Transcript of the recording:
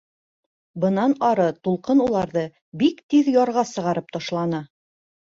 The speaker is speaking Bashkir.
Бынан ары тулҡын уларҙы бик тиҙ ярға сығарып ташланы.